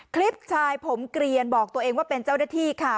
คลิปชายผมเกลียนบอกตัวเองว่าเป็นเจ้าหน้าที่ค่ะ